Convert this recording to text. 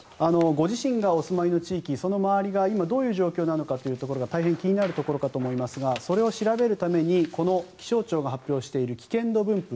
ご自身がお住まいの地域その周りが今どういう状況なのかというのが大変気になるところかと思いますがそれを調べるために気象庁が発表している危険度分布